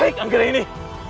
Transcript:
baik anggra ini